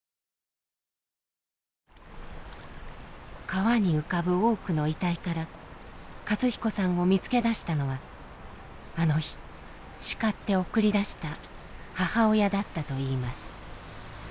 川に浮かぶ多くの遺体から寿彦さんを見つけ出したのはあの日叱って送り出した母親だったといいます。